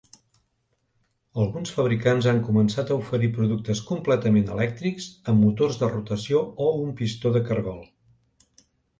Alguns fabricants han començat a oferir productes completament elèctrics amb motors de rotació o un pistó de cargol.